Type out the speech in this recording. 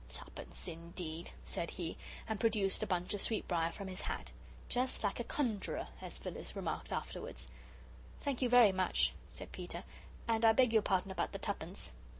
Twopence indeed," said he, and produced a bunch of sweetbrier from his hat, "just like a conjurer," as Phyllis remarked afterwards. "Thank you very much," said Peter, "and I beg your pardon about the twopence."